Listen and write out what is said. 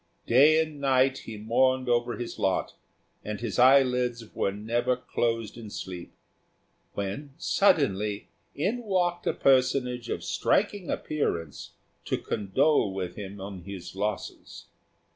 Day and night he mourned over his lot, and his eyelids were never closed in sleep, when suddenly in walked a personage of striking appearance to condole with him on his losses.